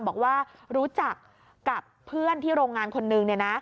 บอกว่ารู้จักกับเพื่อนที่โรงงานคนนึง